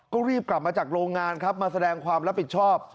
ก็รีบกลับมาจากโรงงานครับมาแสดงความรับผิดชอบ